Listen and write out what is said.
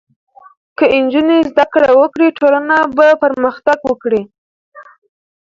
که نجونې زدهکړه وکړي، ټولنه به پرمختګ وکړي.